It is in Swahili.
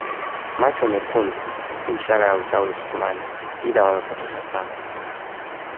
Macho mekundi si ishara ya uchawi usukumani ila imepotoshwa sana